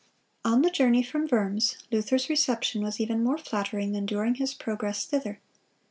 (237) On the journey from Worms, Luther's reception was even more flattering than during his progress thither.